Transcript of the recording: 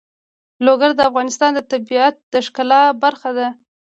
لوگر د افغانستان د طبیعت د ښکلا برخه ده.